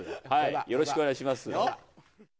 よろしくお願いします。